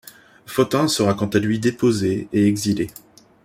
Photin sera quant à lui déposé et exilé.